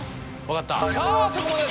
さぁそこまで。